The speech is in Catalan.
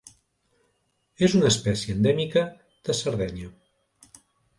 És una espècie endèmica de Sardenya.